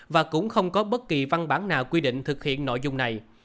và cũng không có bất kỳ văn bản nào quy định thực hiện nội dung này